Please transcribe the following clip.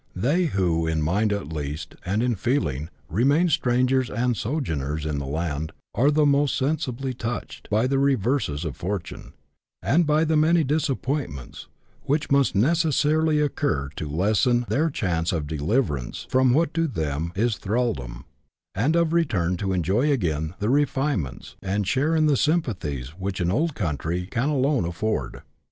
They who, in mind at least and in feeling, remain strangers and sojourners in the land, are the most sensibly touched by the reverses of fortune, and by the many disappointments, which must necessarily occur to lessen their chance of deliverance from what to them is thraldom, and of return to enjoy again the refinements, and share in the sym pathies, which an old country can alone afford.